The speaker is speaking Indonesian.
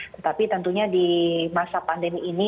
tetapi tentunya di masa pandemi ini